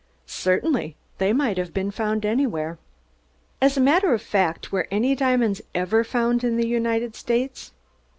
"Certainly. They might have been found anywhere." "As a matter of fact, were any diamonds ever found in the United States?"